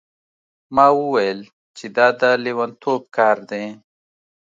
ما وویل چې دا د یو لیونتوب کار دی.